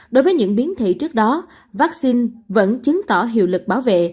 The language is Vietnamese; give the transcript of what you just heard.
đối với những biến thể trước đó vaccine vẫn chứng tỏ hiệu lực bảo vệ